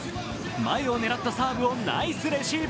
前を狙ったサーブをナイスレシーブ。